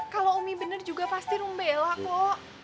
kalau umi bener juga pasti rom bela kok